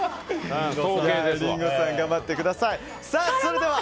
リンゴさん、頑張ってください。